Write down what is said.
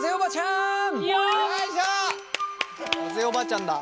おばあちゃんだ。